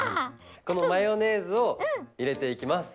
このマヨネーズをいれていきます。